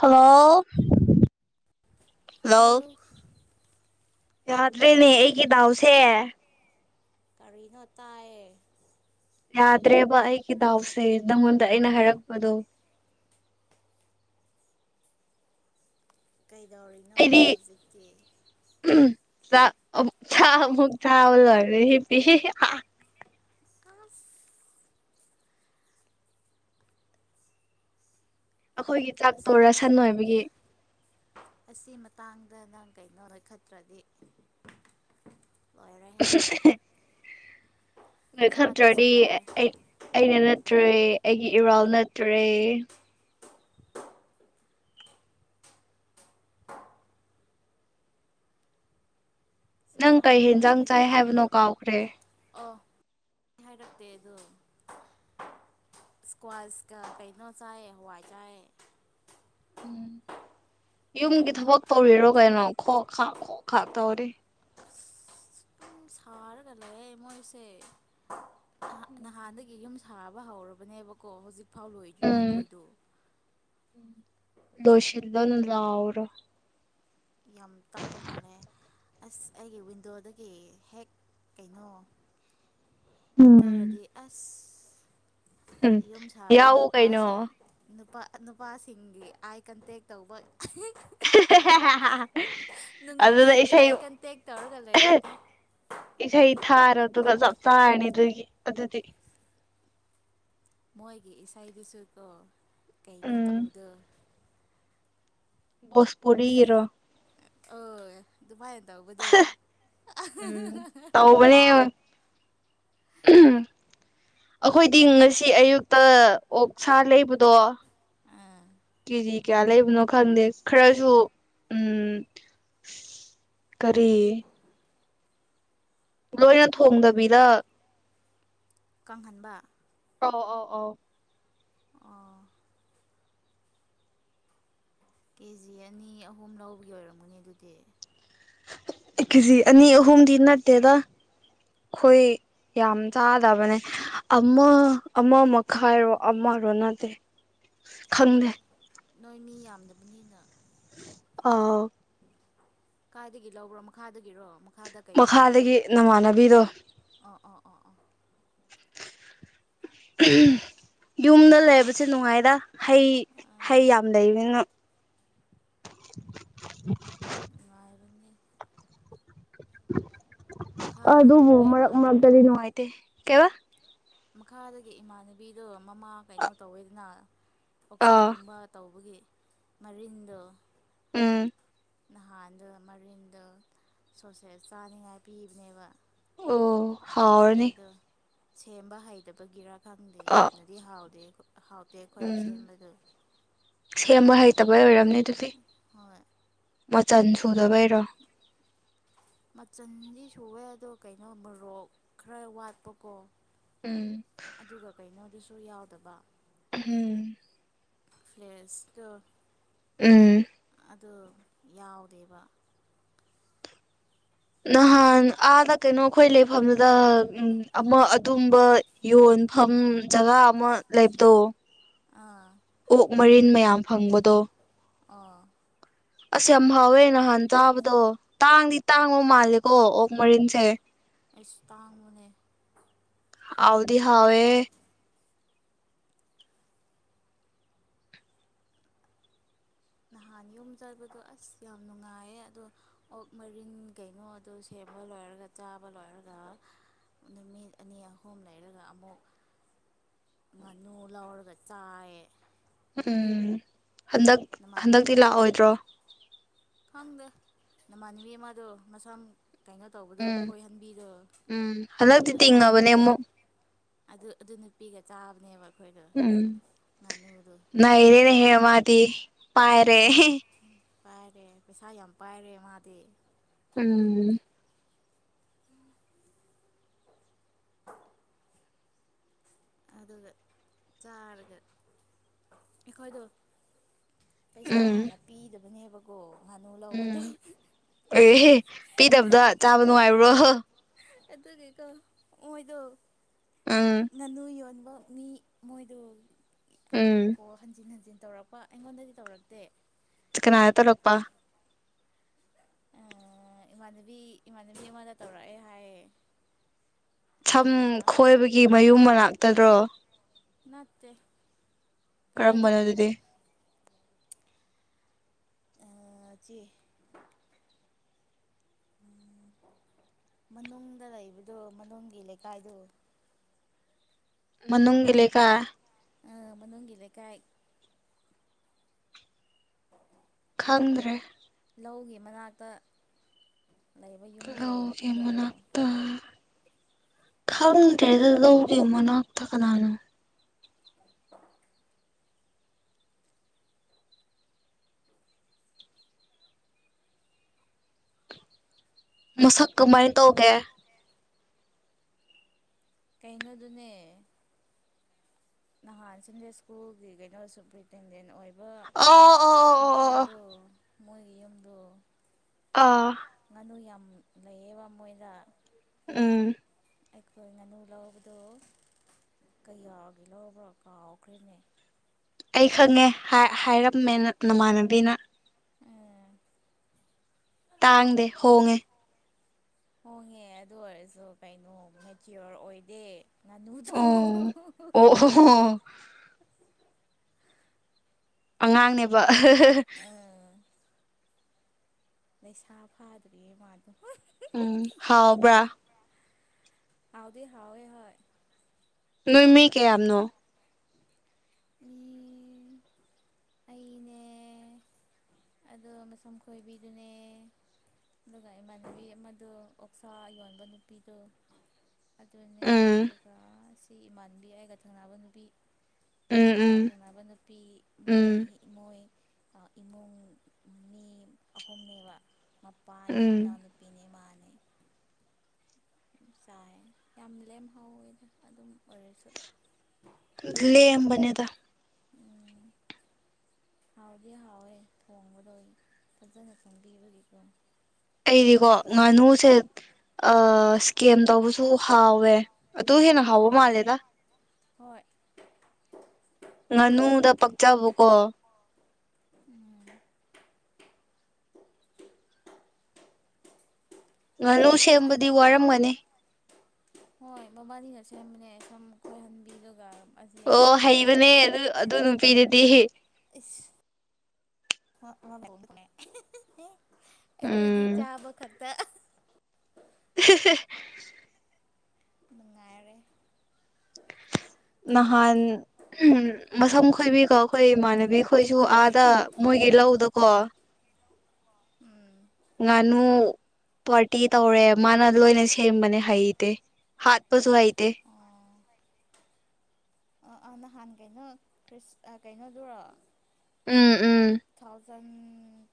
Hello hello ꯌꯥꯗ꯭ꯔꯦꯅꯦ ꯑꯩꯒꯤ ꯗꯥꯎꯁꯦ꯫ ꯀꯔꯤꯅꯣ ꯇꯥꯏꯌꯦ ꯌꯥꯗ꯭ꯔꯦꯕ ꯑꯩꯒꯤ ꯗꯥꯎꯁꯦ ꯅꯪꯉꯣꯟꯗ ꯑꯩꯅ ꯍꯥꯏꯔꯛꯄꯗꯣ꯫ ꯀꯩꯗꯧꯔꯤꯅꯣ ꯑꯩꯗꯤ ꯍꯧꯖꯤꯛꯇꯤ? ꯆꯥꯛ ꯆꯥꯛ ꯑꯃꯨꯛ ꯆꯥꯕꯥ ꯂꯣꯏꯔꯦ ꯍꯤꯞꯄꯤ꯫ ꯑꯁ ꯑꯈꯣꯏꯒꯤ ꯆꯥꯛꯇꯣ ꯑꯁꯤ ꯑꯁ ꯔꯁꯟ ꯑꯣꯏꯕꯒꯤ ꯑꯁꯤ ꯃꯇꯥꯡꯗ ꯅꯪ ꯀꯩꯅꯣ ꯅꯣꯏꯈꯠꯇ꯭ꯔꯗꯤ ꯂꯣꯏꯔꯦꯍꯦ ꯅꯣꯏ ꯆꯥꯗ꯭ꯔꯁꯨ ꯈꯠꯇ꯭ꯔꯗꯤ ꯌꯥꯔꯦ ꯑꯩ ꯑꯩꯅ ꯅꯠꯇ꯭ꯔꯦ ꯑꯩꯒꯤ ꯏꯔꯥꯜ ꯅꯠꯇ꯭ꯔꯦ꯫ ꯅꯪ ꯀꯩ ꯍꯦꯟꯖꯥꯡ ꯆꯥꯏ ꯁꯥꯃꯟꯕꯒꯤ ꯍꯥꯏꯕꯅꯣ ꯀꯥꯎꯈ꯭ꯔꯦ ꯑꯣ ꯍꯥꯏꯔꯛꯇꯦ ꯑꯗꯨ ꯏꯁꯀ꯭ꯋꯥꯁꯀ ꯀꯩꯅꯣ ꯆꯥꯏ ꯍꯋꯥꯏ ꯆꯥꯏ꯫ ꯎꯝ ꯌꯨꯝꯒꯤ ꯊꯕꯛ ꯇꯧꯔꯤꯔꯣ ꯀꯩꯅꯣ ꯈꯣꯛ ꯈꯥꯛ ꯈꯣꯛ ꯈꯥꯛ ꯇꯧꯔꯤ꯫ ꯑꯗꯨꯝ ꯁꯥꯔꯒ ꯂꯩꯌꯦ ꯃꯣꯏꯁꯦ ꯅꯍꯥ ꯅꯍꯥꯟꯗꯒꯤ ꯌꯨꯝ ꯁꯥꯕ ꯍꯧꯔꯕꯅꯦꯕꯀꯣ ꯍꯧꯖꯤꯛꯐꯥꯎ ꯂꯣꯏꯗ꯭ꯔꯤꯌꯦ ꯎꯝ ꯃꯣꯏꯗꯣ꯫ ꯂꯣꯏꯁꯤꯜꯂꯣꯅ ꯂꯥꯎꯔꯣ ꯌꯥꯝ ꯇꯞꯄ ꯃꯥꯜꯂꯦ꯫ ꯑꯁ ꯑꯩꯒꯤ ꯋꯤꯟꯗꯣꯗꯒꯤ ꯍꯦꯛ ꯀꯩꯅꯣ ꯎꯝ ꯌꯦꯡꯊꯧꯔꯗꯤ ꯑꯁ ꯎꯝ ꯌꯨꯝ ꯁꯥꯕ ꯌꯥꯎꯎ ꯀꯩꯅꯣ ꯅꯨꯄꯥꯁꯤꯡ ꯅꯨꯄꯥ ꯅꯨꯄꯥꯁꯤꯡꯒꯤ ꯑꯥꯏ ꯀꯟꯇꯦꯛ ꯇꯧꯕ [unintelligible] ꯑꯗꯨꯗ ꯅꯨꯡꯇꯤꯒꯤ ꯏꯁꯩ ꯑꯥꯏ ꯀꯟꯇꯦꯛ ꯇꯧꯔꯒ ꯂꯩꯔꯤꯗ꯫ ꯏꯁꯩ ꯊꯥꯔ ꯑꯗꯨꯒ ꯆꯞ ꯆꯥꯔꯅꯤ ꯑꯗꯨꯒꯤ ꯑꯗꯨꯗꯤ꯫ ꯃꯣꯏꯒꯤ ꯏꯁꯩꯗꯨꯁꯨ ꯀꯣ ꯀꯩꯅꯣ ꯎꯝ ꯇꯧꯗ ꯚꯣꯁꯄꯨꯔꯤꯒꯤꯔꯣ? ꯑ ꯑꯗꯨꯗꯨꯕꯃꯥꯏꯅ ꯇꯧꯕꯗꯨ ꯎꯝ [unintelligible] ꯑꯈꯣꯏꯗꯤ ꯉꯁꯤ ꯑꯌꯨꯛꯇ ꯑꯣꯛꯁꯥ ꯂꯩꯕꯗꯣ ꯑꯥ ꯀꯦꯖꯤ ꯀꯌꯥ ꯂꯩꯕꯅꯣ ꯈꯪꯗꯦ ꯈꯔꯁꯨ ꯎꯝ ꯀꯔꯤ ꯂꯣꯏꯔ ꯊꯣꯡꯗꯕꯤꯗ ꯀꯥꯡꯍꯟꯕ ꯑꯧ ꯑꯣ ꯑꯣ ꯑꯥ ꯀꯦꯖꯤ ꯑꯅꯤ ꯑꯍꯨꯝ ꯂꯧꯕꯒꯤ ꯑꯣꯏꯔꯝꯒꯅꯤ ꯑꯗꯨꯗꯤ ꯀꯦꯖꯤ ꯑꯅꯤ ꯑꯍꯨꯝꯗꯤ ꯅꯠꯇꯦꯗ ꯈꯣꯏ ꯌꯥꯝ ꯆꯥꯗꯕꯅꯦ ꯑꯃ ꯑꯃ ꯃꯈꯥꯏꯔꯣ ꯑꯃꯔꯣ ꯅꯠꯇꯦ ꯈꯪꯗꯦ ꯅꯣꯏ ꯃꯤ ꯌꯥꯝꯗꯕꯅꯤꯅ ꯑꯥꯎ ꯀꯥꯏꯗꯒꯤ ꯂꯧꯕ꯭ꯔꯣ ꯃꯈꯥꯗꯒꯤꯔꯣ ꯃꯈꯥꯗ ꯀꯩꯅꯣ ꯇꯧꯕꯗꯨ ꯃꯈꯥꯗꯒꯤ ꯅꯃꯥꯟꯅꯕꯤꯗꯣ ꯑꯥ ꯑꯥ ꯑꯣꯥ ꯌꯨꯝꯗ ꯅꯍꯥꯟ ꯂꯩꯕꯁꯦ ꯅꯨꯉꯥꯏꯔ ꯍꯩ ꯍꯩ ꯌꯥꯝ ꯂꯩꯕꯅꯤꯅ [unintelligible] ꯉꯥꯏꯕꯅꯦ ꯑ ꯑꯗꯨꯕꯨ ꯃꯈꯥꯗꯒꯤꯀꯣ ꯃꯔꯛ ꯏꯃꯥꯟꯅꯕꯤ ꯃꯔꯛꯇꯗꯤ ꯅꯨꯉꯥꯏꯇꯦ ꯀꯦꯋꯥ ꯃꯈꯥꯗꯒꯤ ꯏꯃꯥꯟꯅꯕꯤꯗꯣ ꯃꯃꯥ ꯀꯩꯅꯣ ꯇꯧꯋꯦꯗꯅ ꯑꯥ ꯑꯣꯛꯁꯥꯒꯨꯝꯕ ꯇꯧꯕꯒꯤ ꯃꯔꯤꯟꯗꯣ ꯎꯝ ꯅꯍꯥꯟꯗꯣ ꯃꯔꯤꯟꯗꯣ ꯁꯣꯁꯦꯁ ꯆꯥꯅꯤꯉꯥꯏ ꯄꯤꯕꯅꯦꯕ ꯑꯣ ꯍꯥꯎꯔꯅꯤ ꯑꯩꯈꯣꯏꯗꯣ ꯁꯦꯝꯕ ꯍꯩꯇꯕꯒꯤꯔꯥ ꯈꯪꯗꯦ ꯑꯥ ꯌꯥꯝꯅꯗꯤ ꯍꯥꯎꯗꯦ ꯍꯥꯎ ꯎꯝ ꯁꯦꯝꯕ ꯍꯩꯇꯕꯩ ꯑꯣꯏꯔꯝꯅꯤ ꯗꯨꯗꯤ ꯍꯣꯏ ꯃꯆꯟ ꯁꯨꯗꯕꯩꯔꯣ ꯃꯆꯟꯗꯤ ꯁꯨꯋꯦ ꯑꯗꯣ ꯀꯩꯅꯣ ꯃꯔꯣꯛ ꯈꯔ ꯋꯥꯠꯄꯀꯣ ꯎꯝ ꯑꯗꯨꯒ ꯀꯩꯅꯣꯗꯨꯁꯨ ꯌꯥꯎꯗꯕ ꯎꯝ ꯐ꯭ꯂꯦꯁꯇꯣ ꯎꯝ ꯑꯗꯣ ꯌꯥꯎꯗꯦꯕ ꯅꯍꯥꯟ ꯑꯥꯗ ꯀꯩꯅꯣꯈꯣꯏ ꯂꯩꯐꯝꯗ ꯎꯝ ꯑꯃ ꯑꯗꯨꯝꯕ ꯌꯣꯟꯐꯝ ꯖꯒꯥ ꯑꯃ ꯂꯩꯕꯗꯣ ꯑꯥ ꯑꯣꯛ ꯃꯔꯤꯟ ꯃꯌꯥꯝ ꯐꯪꯕꯗꯣ ꯑꯥ ꯑꯁ ꯌꯥꯝ ꯍꯥꯎꯋꯦ ꯅꯍꯥꯟ ꯆꯥꯕꯗꯣ ꯇꯥꯡꯗꯤ ꯇꯥꯡꯕ ꯃꯥꯜꯂꯦꯀꯣ ꯑꯣꯛ ꯃꯔꯤꯟꯁꯦ ꯑꯩꯁ ꯇꯥꯡꯕꯅꯦ ꯍꯥꯎꯗꯤ ꯍꯥꯎꯋꯦꯍꯦ ꯅꯍꯥꯟ ꯌꯨꯝ ꯆꯠꯕꯗꯣ ꯑꯁ ꯌꯥꯝ ꯅꯨꯉꯥꯏꯌꯦ ꯑꯗꯣ ꯑꯣꯛ ꯃꯔꯤꯟ ꯀꯩꯅꯣ ꯑꯗꯨ ꯁꯦꯝꯕ ꯂꯣꯏꯔꯒ ꯆꯥꯕ ꯂꯣꯏꯔꯒ ꯅꯨꯃꯤꯠ ꯑꯅꯤ ꯑꯍꯨꯝ ꯂꯩꯔꯒ ꯑꯃꯨꯛ ꯉꯥꯅꯨ ꯂꯧꯔꯒ ꯆꯥꯏꯌꯦ ꯎꯝ ꯍꯟꯗꯛ ꯅꯃꯥꯟ ꯍꯟꯗꯛꯇꯤ ꯂꯥꯑꯣꯏꯗ꯭ꯔꯣ ꯈꯪꯗꯦ ꯅꯃꯥꯟꯅꯕꯤ ꯑꯃꯗꯣ ꯃꯁꯝ ꯀꯩꯅꯣ ꯇꯧꯕꯗꯣ ꯎꯝ ꯈꯣꯏꯍꯟꯕꯤꯗꯣ ꯎꯝ ꯍꯟꯗꯛꯇꯤ ꯑꯗꯨ ꯅꯨꯄꯤ ꯇꯤꯡꯉꯕꯅꯦ ꯑꯃꯨꯛ ꯑꯗꯨ ꯑꯗꯨ ꯅꯨꯄꯤꯒ ꯆꯥꯕꯅꯦꯕ ꯑꯩꯈꯣꯏꯗꯣ ꯉꯥꯅꯨꯗꯣ ꯅꯩꯔꯦꯅꯦ ꯍꯦ ꯃꯥꯗꯤ ꯄꯥꯏꯔꯦ ꯄꯥꯏꯔꯦ ꯄꯩꯁꯥ ꯌꯥꯝ ꯄꯥꯏꯔꯦ ꯃꯥꯗꯤ ꯎꯝ ꯑꯗꯨꯗ ꯆꯥꯔꯒ ꯑꯩꯈꯣꯏꯗꯣ ꯄꯩꯁꯥ ꯎꯝ ꯍꯥꯟꯅ ꯄꯤꯗꯕꯅꯦꯕꯀꯣ ꯉꯥꯅꯨ ꯎꯝ ꯂꯧꯕꯗꯣ ꯑꯦꯍꯦ ꯄꯤꯗꯕꯗ ꯆꯥꯕ ꯅꯨꯡꯉꯥꯏꯕ꯭ꯔꯣ ꯑꯗꯨꯒꯤꯀꯣ ꯃꯣꯏꯗꯣ ꯎꯝ ꯉꯥꯅꯨ ꯌꯣꯟꯕ ꯃꯤ ꯃꯣꯏꯗꯣ ꯎꯝ ꯑꯣ ꯍꯟꯖꯤꯟ ꯍꯟꯖꯤꯟ ꯇꯧꯔꯛꯄ ꯑꯩꯉꯣꯟꯗꯗꯤ ꯇꯧꯔꯛꯇꯦ ꯀꯅꯗ ꯇꯧꯔꯛꯄꯥ ꯑ ꯏꯃꯥꯟꯅꯕꯤ ꯏꯃꯥꯟꯅꯕꯤ ꯑꯃꯗ ꯇꯧꯔꯛꯑꯦ ꯍꯥꯏꯌꯦ ꯁꯝ ꯑꯗꯨꯒ ꯈꯣꯏꯕꯒꯤ ꯃꯌꯨꯝ ꯃꯅꯥꯛꯇꯔꯣ ꯅꯠꯇꯦ ꯀꯩꯅꯣꯗ ꯀꯔꯝꯕꯅꯣ ꯑꯗꯨꯗꯤ ꯑ ꯆꯦ ꯎꯝ ꯃꯅꯨꯡꯗ ꯂꯩꯕꯗꯣ ꯃꯅꯨꯡꯒꯤ ꯂꯩꯀꯥꯏꯗꯣ ꯃꯅꯨꯡꯒꯤ ꯂꯩꯀꯥꯢ ꯑ ꯃꯅꯨꯡꯒꯤ ꯂꯩꯀꯥꯏ [unintelligible] ꯈꯪꯗ꯭ꯔꯦ ꯂꯧꯒꯤ ꯃꯅꯥꯛꯇ ꯂꯩꯕ ꯌꯨꯝꯗꯣ ꯂꯧꯒꯤ ꯈꯪꯗꯕ꯭ꯔꯣ ꯃꯅꯥꯛꯇ ꯈꯪꯗ꯭ꯔꯦꯗ ꯂꯧꯒꯤ ꯃꯅꯥꯛꯇ ꯀꯅꯥꯅꯣ [unintelligible] ꯃꯁꯛ ꯀꯃꯥꯏꯟ ꯇꯧꯒꯦ ꯀꯩꯅꯣꯗꯨꯅꯦ ꯅꯍꯥꯟ ꯁꯟꯗꯦ ꯁ꯭ꯀꯨꯜꯒꯤ ꯀꯩꯅꯣꯁꯨ ꯄ꯭ꯔꯤ ꯇꯦꯟꯗꯦꯟ ꯑꯣꯏꯕ ꯑꯣ ꯑꯣ ꯑꯣ ꯑꯣ ꯑꯣ ꯅꯨꯄꯥꯗꯣ ꯃꯣꯏꯒꯤ ꯌꯨꯝꯗꯣ ꯑꯥ ꯉꯥꯅꯨ ꯌꯥꯝ ꯂꯩꯌꯦꯕ ꯃꯣꯏꯗ ꯎꯝ ꯑꯩꯈꯣꯏ ꯉꯥꯅꯨ ꯂꯧꯕꯗꯣ ꯀꯌꯥꯒꯤ ꯂꯧꯕ꯭ꯔꯥ ꯀꯥꯎꯈ꯭ꯔꯦꯅꯦ ꯑꯩ ꯈꯪꯉꯦ ꯍꯥꯏ ꯍꯥꯏꯔꯝꯃꯦ ꯅ ꯅꯃꯥꯟꯅꯕꯤꯅ ꯑꯥ ꯇꯥꯡꯗꯦ ꯍꯣꯡꯉꯦ ꯍꯣꯡꯉꯦ ꯑꯗꯨ ꯑꯣꯏꯔꯁꯨ ꯀꯩꯅꯣ ꯃꯦꯆꯤꯌꯣꯔ ꯑꯣꯏꯗꯦ ꯑꯣ ꯉꯅꯨꯗ‌ꯣ ꯑꯣ ꯑꯣ ꯑꯉꯥꯡꯅꯦꯕ ꯑꯥ ꯂꯩꯁꯥ ꯐꯥꯗ꯭ꯔꯤꯌꯦ ꯃꯥꯗꯣ ꯎꯝ ꯍꯥꯎꯕ꯭ꯔꯥ ꯍꯥꯎꯗꯤ ꯍꯥꯎꯋ‌ꯦ ꯍꯣꯏ ꯅꯣꯏ ꯃꯤ ꯀꯌꯥꯝꯅꯣ [unintelligible] ꯑꯩꯅꯦ ꯑꯗꯨꯒ ꯃꯁꯝ ꯈꯣꯏꯕꯤꯗꯨꯅꯦ ꯑꯗꯨꯒ ꯏꯃꯥꯟꯅꯕꯤ ꯑꯃꯗꫭ ꯑꯣꯛꯁꯥ ꯌꯣꯟꯕ ꯅꯨꯄꯤꯗꯨ ꯑꯗꯨꯅꯦ ꯎꯝ ꯑꯗꯨꯒ ꯁꯤ ꯏꯃꯥꯟꯕꯤ ꯑꯩꯒ ꯊꯪꯅꯕ ꯅꯨꯄꯤ ꯎꯝ ꯀꯥ ꯎꯝ ꯊꯣꯡꯅꯕ ꯅꯨꯄꯤ ꯃꯣꯏ ꯎꯝ ꯏꯃꯣꯏ ꯏꯃꯨꯡ ꯃꯤ ꯑꯍꯨꯝꯅꯦꯕ ꯃꯄꯥꯅꯦ ꯎꯝ ꯃꯅꯥꯎꯅꯨꯄꯤꯅꯦ ꯃꯥꯅꯦ ꯆꯥꯏ ꯌꯥꯝ ꯂꯦꯝꯍꯥꯎꯋꯦꯗ ꯑꯗꯨꯝ ꯑꯣꯏꯔꯁꯨ ꯂꯦꯝꯕꯅꯦꯗ ꯍꯥꯎꯗꯤ ꯍꯥꯎꯋꯦ ꯊꯣꯡꯕꯗꯣ ꯐꯖꯅ ꯊꫭꯡꯕꯤꯕꯒꯤꯀꯣ ꯑꯩꯗꯤꯀꯣ ꯉꯥꯅꯨꯁꯦ ꯏꯁꯀꯦꯝ ꯇꯧꯕ ꯁꯨ ꯍꯥꯎꯋꯦ ꯑꯇꯨ ꯍꯦꯟꯅ ꯈꯥꯎꯕ ꯑꯥ ꯃꯥꯜꯂꯦꯗ ꯍꯣꯏ ꯉꯥꯅꯨꯗ ꯄꯛꯆꯕꯀꯣ ꯎꯝ ꯉꯥꯅꯨ ꯑꯩꯅꯒ ꯁꯦꯝꯕꯗꯤ ꯋꯥꯔꯝꯒꯅꯤ ꯍꯣꯏ ꯃꯕꯥꯅꯤꯅ ꯁꯦꯝꯕꯅꯦ ꯁꯝ ꯈꯣꯏꯍꯟꯕꯤꯕꯒ ꯑꯁꯤ ꯑꯃꯥ ꯑꯣ ꯏꯃꯥꯟꯅꯕꯤ ꯍꯩꯕꯅꯦ ꯑꯃꯥ ꯑꯗꯨ ꯑꯗꯨ ꯅꯨꯄꯤꯗꯨꯗꯤ ꯏꯁ [unintelligible] ꯑꯩꯈꯣꯏꯗꯤ ꯆꯥꯕ ꯈꯛꯇ [unintelligible] ꯅꯨꯡꯉꯥꯏꯔꯦ ꯅꯍꯥꯟ ꯃꯁꯝ ꯈꯣꯏꯕꯤꯀꯣ ꯑꯩꯈꯣꯏ ꯏꯃꯥꯟꯅꯕꯤ ꯈꯣꯏꯁꯨ ꯑꯥꯗ ꯃꯣꯏꯒꯤ ꯂꯧꯗꯀꯣ ꯎꯝ ꯉꯥꯅꯨ ꯄꯥꯔꯇꯤ ꯇꯧꯔꯦ ꯃꯥꯅ ꯂꯣꯏꯅ ꯁꯦꯝꯕꯅꯦ ꯍꯩꯇꯦ ꯍꯥꯠꯄꯁꯨ ꯍꯩꯇꯦ ꯑꯥ ꯑꯥ ꯅꯍꯥꯟ ꯀꯩꯅꯣ ꯈ꯭ꯔꯤꯁ ꯀꯩꯅꯣꯗꯨꯔꯣ ꯎꯝ ꯎꯝ ꯇꯨ ꯊꯥꯎꯖꯟ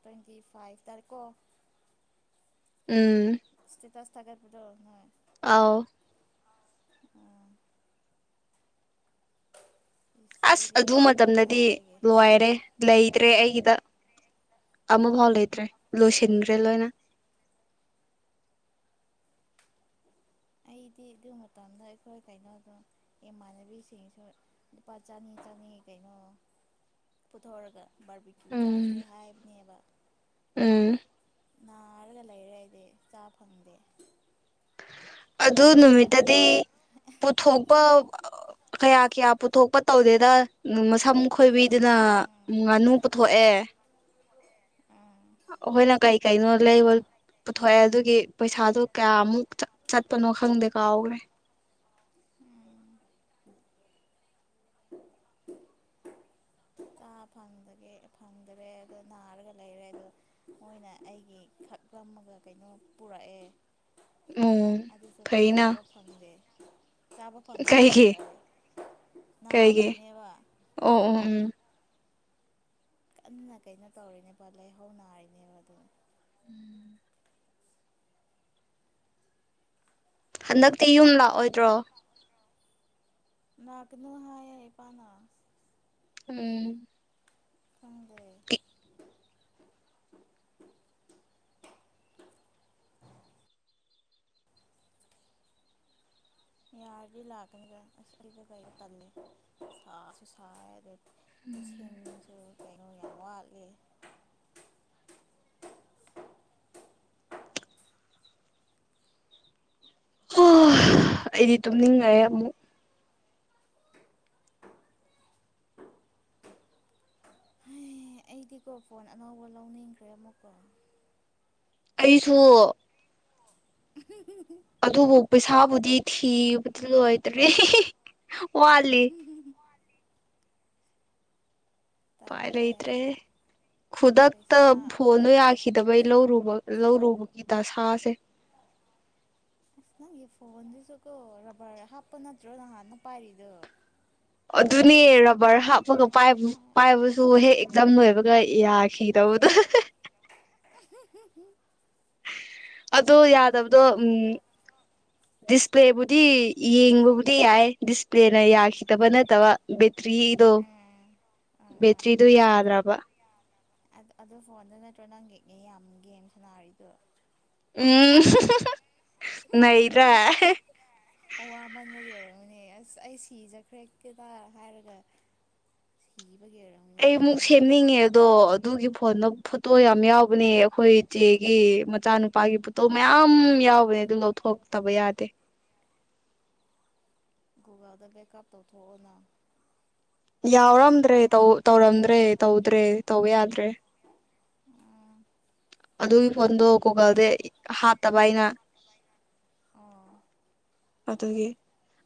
ꯇ꯭ꯋꯦꯟꯇꯤ ꯐꯥꯏꯚ ꯇꯥꯔꯦꯀꯣ ꯎꯝ ꯏꯁꯇꯦꯇꯥꯁ ꯊꯥꯒꯠꯄꯗꫭ ꯅꫭ ꯑꯥꯎ ꯑꯣ ꯏꯁ ꯑꯁ ꯑꯩꯗꯤ ꯑꯗꯨ ꯃꯇꯝꯗꯗꯤ ꯀꯥꯏꯗꯒꯤ ꯂꯣꯏꯔꯦ ꯂꯩꯇ꯭ꯔꯦ ꯑꯩꯒꯤꯗ ꯑꯃꯐꯥꯎ ꯂꯩꯇ꯭ꯔꯦ ꯂꯣꯏꯁꯤꯟꯈ꯭ꯔꯦ ꯂꯣꯏꯅ ꯑꯩꯗꯤ ꯑꯗꯨ ꯃꯇꯝꯗ ꯑꯩꯈꯣꯏ ꯀꯩꯅꯣꯗꯣ ꯏꯃꯥꯟꯅꯕꯤꯁꯤꯡꯁꯨ ꯂꯨꯄꯥ ꯆꯅꯤ ꯆꯅꯤ ꯀꯩꯅꯣ ꯄꯨꯊꯣꯛꯔꯒ ꯕꯥꯔꯕꯤ ꯆꯥꯁꯦ ꯎꯝ ꯍꯥꯏꯕꯅꯦꯕꯊ ꯎꯝ ꯅꯥꯔꯒ ꯂꯩꯔꯦ ꯑꯩꯗꯤ ꯆꯥ ꯐꯪꯗꯦ ꯑꯗꯨ ꯃꯣꯏꯅ ꯅꯨꯃꯤꯠꯇꯗꯤ ꯄꯨꯊꯣꯛꯄ ꯀꯌꯥ ꯀꯌꯥ ꯄꯨꯊꯣꯛꯄ ꯇꯧꯗꯦꯗ ꯃꯁꯝ ꯈꯣꯏꯕꯤꯗꯨꯅ ꯎꯝ ꯉꯥꯅꯨ ꯄꯨꯊꯣꯛꯑꯦ ꯎꯝ ꯑꯩꯈꯣꯏꯅ ꯀꯩ ꯀꯩꯅꯣ ꯂꯩꯕ ꯄꯨꯊꯣꯛꯑꯦ ꯑꯗꯨꯒꯤ ꯄꯩꯁꯥꯗꯨ ꯀꯌꯥꯃꯨꯛ ꯆꯠꯄꯅꯣ ꯈꯪꯗꯦ ꯀꯥꯎꯈ꯭ꯔꯦ ꯎꯝ ꯆꯥꯕ ꯐꯪꯗꯒꯦ ꯐꯪꯗ꯭ꯔꯦ ꯑꯗꯣ ꯅꯥꯔꯒ ꯂꯩꯔꯦ ꯑꯗꯣ ꯃꯣꯏꯅ ꯑꯩꯒꯤ ꯈꯛꯂꯝꯃꯒ ꯀꯩꯅꯣ ꯄꯨꯔꯛꯑꯦ ꯎꯝ ꯑꯗꯨꯁꯨ ꯐꯩꯅ ꯆꯥꯕ ꯐꯪꯗꯦ ꯆꯥꯕ ꯐꯪꯗꯦ ꯑꯗꯨꯁꯨ ꯀꯩꯒꯤ ꯑꯩ ꯀꯩꯒꯤ ꯅꯕꯒꯤꯅꯦꯕ ꯑꯣ ꯑꯣ ꯎꯝ ꯀꯟꯅ ꯀꯩꯅꯣ ꯇꯧꯔꯤꯅꯦꯕ ꯂꯥꯍꯧ ꯅꯥꯔꯤꯅꯦꯕ ꯑꯗꯣ [inaudible] ꯍꯟꯗꯛꯇꯤ ꯌꯨꯝ ꯂꯥꯛꯑꯣꯏꯗ꯭ꯔꯣ ꯅꯥꯛꯀꯅꯨ ꯍꯥꯏꯌꯦ ꯏꯄꯥꯅ ꯎꯝ ꯈꯪꯗꯦ ꯌꯥꯔꯗꯤ ꯂꯥꯛꯀꯅꯤꯗ ꯑꯁ ꯑꯩꯁꯨ ꯂꯩꯕ ꯇꯜꯂꯦ ꯁꯥꯁꯨ ꯁꯥꯏ ꯑꯗꯩ ꯏꯁꯤꯡꯁꯨ ꯀꯩꯅꯣ ꯌꯥꯝ ꯋꯥꯠꯂꯤ ꯍꯥ ꯑꯩꯗꯤ ꯇꯨꯝꯅꯤꯡꯉꯛꯑꯦ ꯑꯃꯨꯛ ꯍꯦ ꯑꯩꯗꯤꯀꯣ ꯐꯣꯟ ꯑꯅꯧꯕ ꯂꯧꯅꯤꯡꯈ꯭ꯔꯦ ꯑꯃꯨꯛꯀ ꯑꯩꯁꯨ [unintelligible] ꯑꯗꯨꯕꯨ ꯄꯩꯁꯥꯕꯨꯗꯤ ꯊꯤꯕꯗꯤ ꯂꯣꯏꯗ꯭ꯔꯤ ꯋꯥꯠꯂꯤ ꯎꯄꯥꯏ ꯇꯜꯂꯦ ꯂꯩꯇ꯭ꯔꯦ ꯈꯗꯛꯇ ꯄꯩꯁꯥ ꯐꯣꯟꯗꯣ ꯌꯥꯈꯤ ꯈꯤꯗꯕꯩ ꯂꯧꯔꯨꯕ ꯂꯧꯔꯨꯕꯒꯤ ꯗꯁꯥꯁꯦ ꯑꯁ ꯅꯪꯒꯤ ꯐꯣꯟꯗꯨꯁꯨꯀꯣ ꯔꯕꯔ ꯍꯥꯞꯄ ꯅꯠꯇ꯭ꯔꯣ ꯅꯍꯥꯟꯅ ꯄꯥꯏꯔꯤꯗꯣ ꯑꯗꯨꯅꯦ ꯔꯕꯔ ꯍꯥꯞꯄꯒ ꯄꯥꯏ ꯎꯝ ꯄꯥꯏꯕꯁꯨ ꯍꯦꯛ ꯆꯝ ꯂꯣꯏꯕꯒ ꯌꯥꯈꯤꯗꯕꯗꯣ [unintelligible] ꯑꯗꯣ ꯌꯥꯗꯕꯗꯣ ꯎꯝ ꯗꯤꯁꯄ꯭ꯂꯦꯕꯨꯗꯤ ꯌꯦꯡꯕꯕꯨꯗꯤ ꯌꯥꯏ ꯗꯤꯁꯄ꯭ꯂꯦꯅ ꯌꯥꯈꯤꯗꯕꯗꯤ ꯅꯠꯇꯕ ꯕꯦꯇ꯭ꯔꯤꯗꯣ ꯑꯥ ꯕꯦꯇ꯭ꯔꯤꯗꯨ ꯌꯥꯗ꯭ꯔꯕ ꯑꯗꯨ ꯑꯗꯨ ꯐꯣꯟꯗꯣ ꯅꯠꯇ꯭ꯔꯣ ꯅꯪꯒꯤ ꯑꯦꯌꯥꯝ ꯒꯦꯝ ꯁꯅꯥꯔꯤꯗꯣ ꯎꯝ ꯅꯩꯗ꯭ꯔꯥ [unintelligible] ꯑꯣ ꯋꯥꯃꯟꯕꯒꯤ ꯑꯣꯏꯔꯝꯒꯅꯤ ꯑꯁ ꯑꯩ ꯁꯤꯖꯈ꯭ꯔꯦ ꯀꯦꯗ ꯍꯥꯏꯔꯒ ꯀꯤꯕꯒꯤ ꯔ ꯑꯩꯃꯨꯛ ꯁꯦꯝꯅꯤꯡꯉꯦ ꯑꯗꯣ ꯑꯗꯨꯒꯤ ꯐꯣꯟꯗꯣ ꯐꯣꯇꯣ ꯌꯥꯝ ꯌꯥꯎꯕꯅꯦ ꯑꯩꯈꯣꯏ ꯏꯆꯦꯒꯤ ꯃꯆꯥꯅꯨꯄꯥꯒꯤ ꯐꯣꯇꯣ ꯃꯌꯥꯝ ꯌꯥꯎꯕꯅꯦ ꯑꯗꯨ ꯂꯧꯊꯣꯛꯇꯕ ꯌꯥꯗꯦ [unintelligible] ꯕꯦꯛꯀꯞ ꯇꯧꯊꯣꯛꯑꯣꯅ ꯌꯥꯎꯔꯝꯗ꯭ꯔꯦ ꯇꯧ ꯇꯧꯔꯝꯗ꯭ꯔꯦ ꯇꯧꯗ꯭ꯔꯦ ꯇꯧ ꯌꯥꯗ꯭ꯔꯦ ꯑꯗꯨꯒꯤ ꯐꯣꯟꯗꯣ ꯒꯨꯒꯜꯗ ꯍꯥꯞꯇꯕ ꯑꯩꯅ ꯑꯣ ꯑꯗꯨꯒꯤ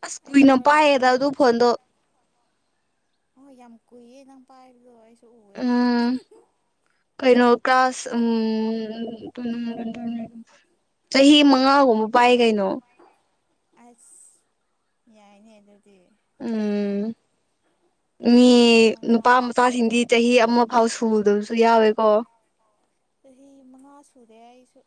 ꯑꯁ ꯑꯩꯗꯤ ꯀꯨꯏꯅ ꯂꯣꯏ ꯄꯥꯏꯌꯦꯗ ꯍꯥꯞꯄꯅꯦ ꯑꯗꯨ ꯐꯣꯟꯗꯣ ꯍꯣꯏ ꯌꯥꯝ ꯀꯨꯏꯌꯦ ꯅꯪ ꯄꯥꯏꯕꯗꯣ ꯑꯩꯁꯨ ꯎꯌꯦ ꯎꯝ ꯀꯩꯅꯣ ꯀꯥꯂ꯭ꯁ ꯎꯝ [unintelligible] ꯆꯍꯤ ꯃꯉꯥꯒꯨꯝꯕ ꯄꯥꯏ ꯀꯩꯅꯣ ꯑꯁ ꯌꯥꯏꯅꯦ ꯑꯗꯨꯗꯤ ꯎꯝ ꯑꯩꯗꯤ ꯃꯤ ꯆꯍꯤ ꯃꯉꯥ ꯅꯨꯄꯥ ꯃꯆꯥꯁꯤꯡꯗꯤ ꯆꯍꯤ ꯑꯃ ꯐꯥꯎ ꯁꯨꯗꯕꯁꯨ ꯌꯥꯎꯋꯦꯀꯣ ꯆꯍꯤ ꯃꯉꯥ ꯁꯨꯔꯦ ꯑꯩꯁꯨ